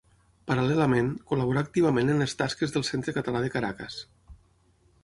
Paral·lelament, col·laborà activament en les tasques del Centre Català de Caracas.